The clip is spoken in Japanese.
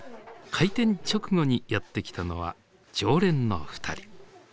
開店直後にやって来たのは常連のふたり。